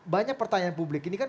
banyak pertanyaan publik ini kan